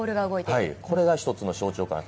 これが一つの象徴かなと。